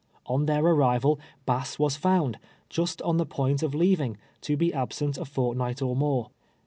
On their arrival, Bass was found, just on the point of leav ing, to be absent a fortnight or more.